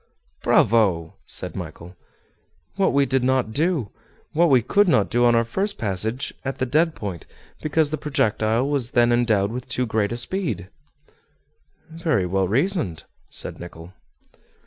"Bravo!" said Michel. "What we did not do, what we could not do on our first passage at the dead point, because the projectile was then endowed with too great a speed." "Very well reasoned," said Nicholl.